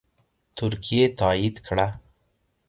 ترکیې تایید کړه